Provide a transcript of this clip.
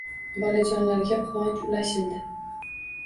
Bolajonlarga quvonch ulashildi